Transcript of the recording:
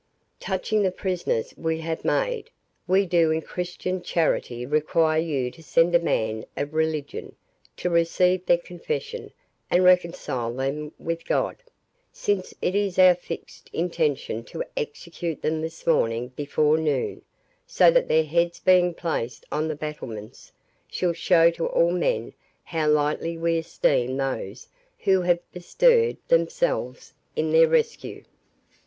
Touching the prisoners we have made, we do in Christian charity require you to send a man of religion, to receive their confession, and reconcile them with God; since it is our fixed intention to execute them this morning before noon, so that their heads being placed on the battlements, shall show to all men how lightly we esteem those who have bestirred themselves in their rescue.